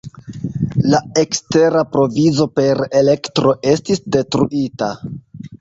La ekstera provizo per elektro estis detruita.